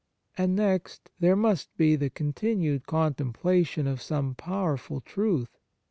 And, next, there must be the continued contemplation of some powerful truth.